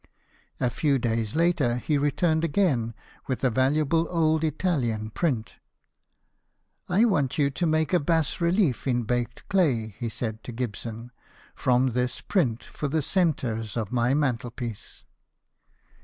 A few days later he returned again with a valuable old Italian print. " I want you to make a bas relief in baked clay," he said to Gibson, " from this print for the centre of my mantelpiece."